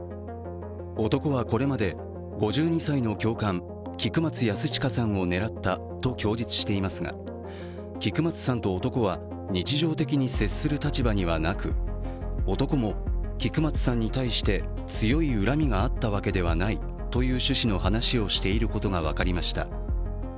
男はこれまで、５２歳の教官、菊松安親さんを狙ったと供述していますが、菊松さんと男は日常的に接する立場になく男も、菊松さんに対して強い恨みがあったわけではないという趣旨の話をしていることが分かりました。